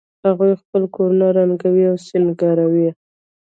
هغوی خپل کورونه رنګوي او سینګاروي